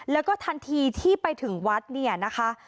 แล้วก็ทันทีที่ไปถึงวัดเนี่ยนะคะ